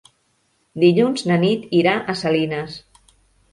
Dilluns na Nit irà a Salines.